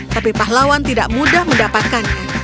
tapi pahlawan tidak mudah mendapatkannya